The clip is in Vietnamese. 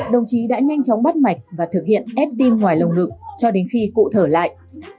đồng chí đã nhanh chóng bắt mạch và thực hiện ép tim ngoài lồng ngực cho đến khi cụ thở lại